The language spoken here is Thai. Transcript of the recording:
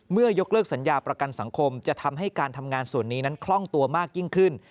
ยกเลิกสัญญาประกันสังคมจะทำให้การทำงานส่วนนี้นั้นคล่องตัวมากยิ่งขึ้น